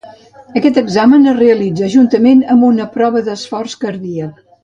Aquest examen es realitza juntament amb una prova d'esforç cardíac.